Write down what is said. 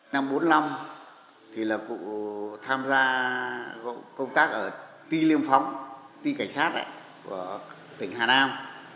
năm một nghìn chín trăm bốn mươi năm thì là cụ tham gia công tác ở ti liêm phóng ti cảnh sát của tỉnh hà nam